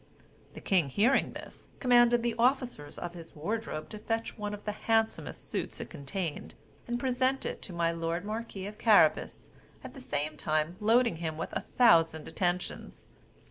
The king hearing this, commanded the officers of his wardrobe to fetch one of the handsomest suits it contained, and present it to my lord marquis of Carabas, at the same time loading him with a thousand attentions.